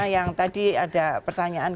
yang tadi ada pertanyaan